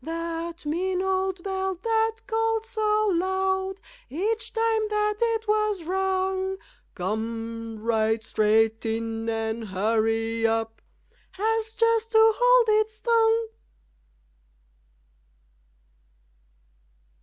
That mean old bell that called so loud Each time that it was rung, Come right straight in and hurry up! Has just to hold its tongue.